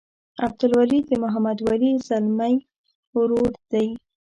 عبدالولي د محمد ولي ځلمي ورور دی.